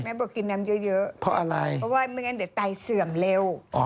บอกกินน้ำเยอะเพราะอะไรเพราะว่าไม่งั้นเดี๋ยวไตเสื่อมเร็ว